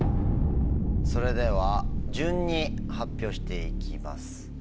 それでは順に発表して行きます。